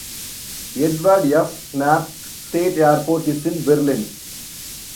Edward F. Knapp State Airport is in Berlin.